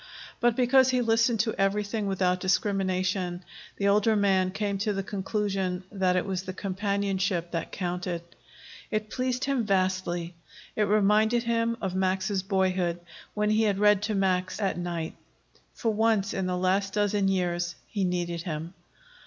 But because he listened to everything without discrimination, the older man came to the conclusion that it was the companionship that counted. It pleased him vastly. It reminded him of Max's boyhood, when he had read to Max at night. For once in the last dozen years, he needed him.